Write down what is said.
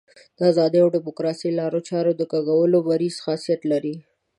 د ازادۍ او ډیموکراسۍ لارو چارو د کږولو مریض خاصیت لري.